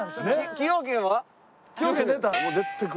崎陽軒出た？